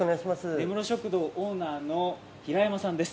根室食堂オーナーの平山さんです。